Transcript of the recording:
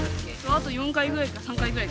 あと４回ぐらいか３回ぐらい。